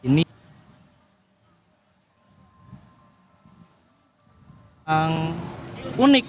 ini adalah sepeda langit yang unik